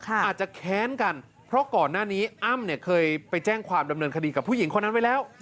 อาจจะแค้นกันเพราะก่อนหน้านี้อ้ำเนี่ยเคยไปแจ้งความดำเนินคดีกับผู้หญิงคนนั้นไว้แล้ว